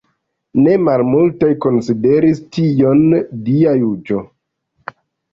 Ne malmultaj konsideris tion dia juĝo.